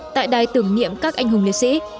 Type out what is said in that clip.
tại đài tưởng niệm các anh hùng liệt sĩ